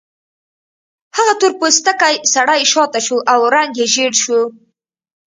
هغه تور پوستکی سړی شاته شو او رنګ یې ژیړ شو